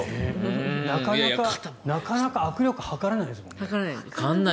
なかなか握力測らないですもんね。